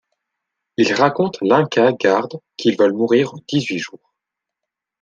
Il raconte l'Inca garde qu'ils veulent mourir en dix-huit jours.